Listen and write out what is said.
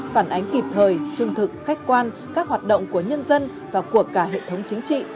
phản ánh kịp thời trung thực khách quan các hoạt động của nhân dân và của cả hệ thống chính trị